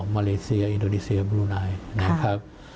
มาเลเซียอินโดนีเซียบรูนายนะครับ